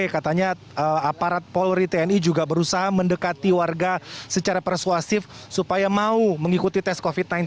katanya aparat polri tni juga berusaha mendekati warga secara persuasif supaya mau mengikuti tes covid sembilan belas